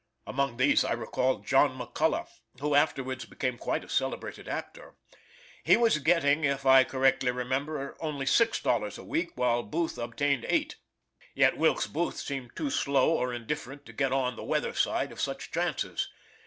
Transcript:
Among these I recall John McCullough, who afterwards became quite a celebrated actor. He was getting, if I correctly remember, only six dollars a week, while Booth obtained eight. Yet Wilkes Booth seemed too slow or indifferent to get on the weather side of such chances.